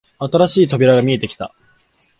新しい扉が見えてきた